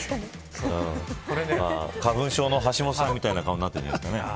花粉症の橋下さんみたいな顔になってるんじゃないですかね。